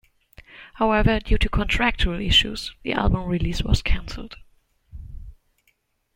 However, due to contractual issues, the album release was cancelled.